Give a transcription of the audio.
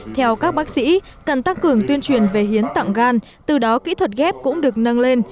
theo các bác sĩ cần tăng cường tuyên truyền về hiến tặng gan từ đó kỹ thuật ghép cũng được nâng lên